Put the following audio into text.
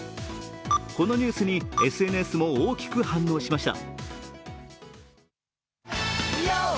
このニュースにＳＮＳも大きく反応しました。